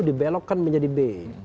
dibelokkan menjadi b